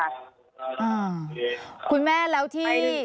คุณแม่แล้วที่